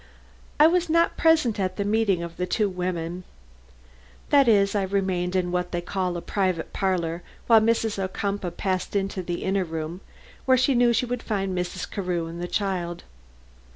I was not present at the meeting of the two women. That is, I remained in what they would call a private parlor, while Mrs. Ocumpaugh passed into the inner room, where she knew she would find Mrs. Carew and the child.